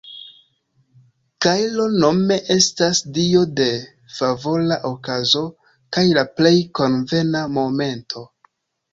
Kairo nome estas dio de "favora okazo kaj la plej konvena momento".